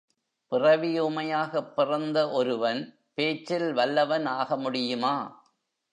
பிறவி ஊமையாகப் பிறந்த ஒருவன் பேச்சில் வல்லவன் ஆக முடியுமா?